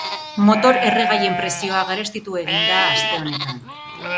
Motor-erregaien prezioa garestitu egin da aste honetan.